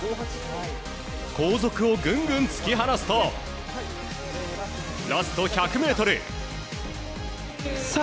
後続をグングン突き放すとラスト１００ｍ。